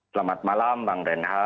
selamat malam bang renha